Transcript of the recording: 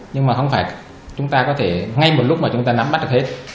nhưng mà không phải chúng ta có thể ngay một lúc mà chúng ta nắm bắt được hết